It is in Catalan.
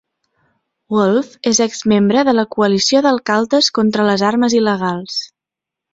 Wolf és exmembre de la coalició d'alcaldes contra les armes il·legals.